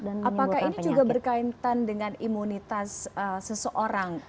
apakah ini juga berkaitan dengan imunitas seseorang